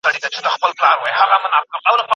تاسي باید د خپل عزت دپاره رښتینی جهاد وکئ.